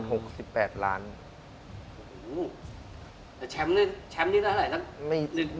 โอ้โหแต่แชมป์เนี่ยแชมป์นี้ได้เท่าไหร่นะ